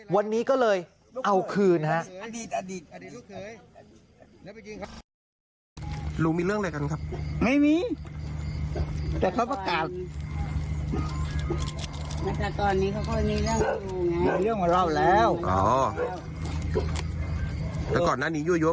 วันนี้ก็เลยเอาคืนฮะ